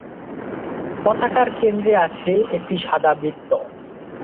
পতাকার কেন্দ্রে রয়েছে একটি সাদা বৃত্ত।